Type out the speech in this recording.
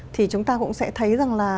thì chúng ta cũng sẽ thấy rằng là